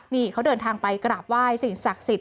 นี่เขาเดินทางไปกราบไหว้สิ่งศักดิ์สิทธิ